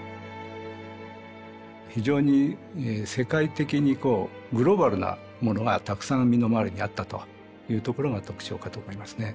非常に世界的にグローバルなものがたくさん身の回りにあったというところが特徴かと思いますね。